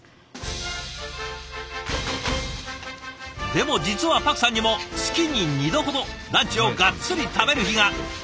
でも実はパクさんにも月に２度ほどランチをガッツリ食べる日が！